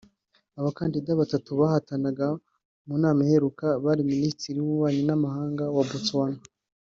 Abakandida batatu bahatanaga mu nama iheruka bari Minisitiri w’Ububanyi N’amahanga wa Botswana